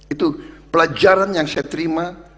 itu pelajaran yang saya terima